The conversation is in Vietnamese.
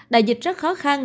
đại dịch rất khó khăn